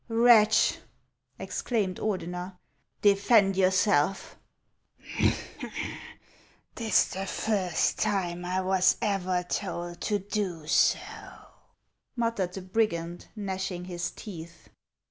" Wretch," exclaimed Ordener, " defend yourself !"" 'T is the first time I was ever told to do so," muttered the brigand, gnashing his teeth.